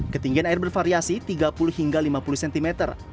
ketinggian air bervariasi tiga puluh hingga lima puluh cm